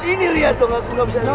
ini liat dong aku gak usah liat